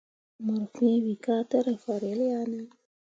Mor fẽẽ we ka tǝ rǝ fahrel ya ne ?